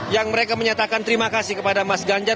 yang mereka menyatakan terima kasih kepada mas ganjar